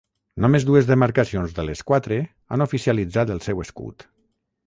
Només dues demarcacions de les quatre han oficialitzat el seu escut.